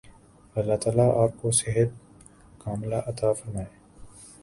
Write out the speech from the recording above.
اللہ تعالی آپ کو صحت ِکاملہ عطا فرمائے۔